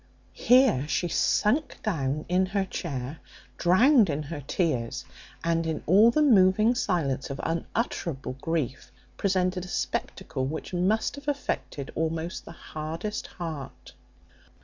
Here she sunk down in her chair, drowned in her tears, and, in all the moving silence of unutterable grief, presented a spectacle which must have affected almost the hardest heart.